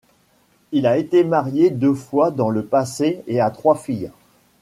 Il a été marié deux fois dans le passé et a trois filles.